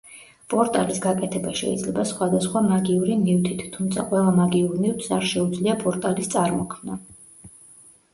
პორტალის გაკეთება შეიძლება სხვადასხვა მაგიური ნივთით, თუმცა ყველა მაგიურ ნივთს არ შეუძლია პორტალის წარმოქმნა.